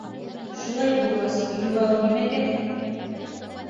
Шулай булғас, юрау нимәгә?